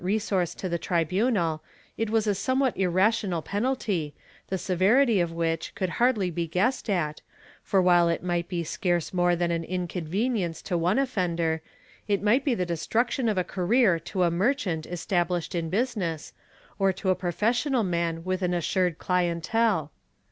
II] EXILE 127 resource to the tribunal, it was a somewhat irrational penalty, the severity of which could hardly be guessed at, for while it might be scarce more than an inconvenience to one offender, it might be the destruction of a career to a merchant established in business, or to a professional man with an assured clienMe.